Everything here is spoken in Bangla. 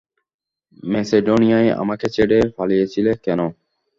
ম্যাসেডনিয়ায় আমাকে ছেড়ে পালিয়েছিলে কেন?